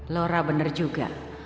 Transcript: laura bener juga